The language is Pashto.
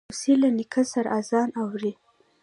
لمسی له نیکه سره آذان اوري.